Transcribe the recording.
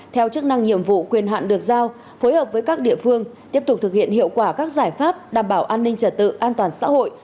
theo chức năng nhiệm vụ quyền hạn được giao phối hợp với các địa phương tiếp tục thực hiện hiệu quả các giải pháp đảm bảo an ninh trật tự an toàn xã hội